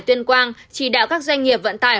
tuyên quang chỉ đạo các doanh nghiệp vận tải